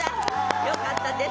よかったです。